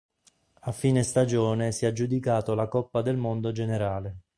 A fine stagione si è aggiudicato la Coppa del Mondo generale.